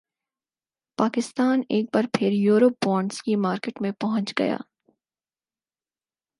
پاکستان ایک بار پھر یورو بانڈز کی مارکیٹ میں پہنچ گیا